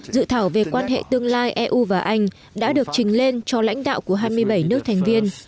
dự thảo về quan hệ tương lai eu và anh đã được trình lên cho lãnh đạo của hai mươi bảy nước thành viên